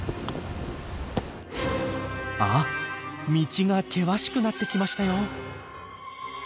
あっ道が険しくなってきましたよ。